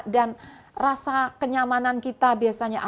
dan rasa kenyamanan kita biasanya